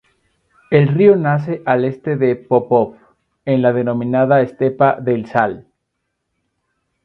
El río nace al este de Popov, en la denominada estepa del Sal.